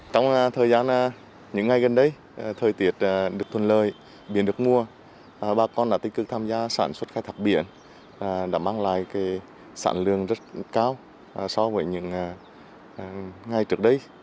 trong thời gian những ngày gần đây thời tiết được thuận lợi biển được mùa bà con đã tích cực tham gia sản xuất khai thắp biển đã mang lại sản lượng rất cao so với những ngày trước đây